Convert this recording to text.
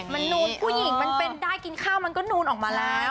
มันนูนผู้หญิงมันเป็นได้กินข้าวมันก็นูนออกมาแล้ว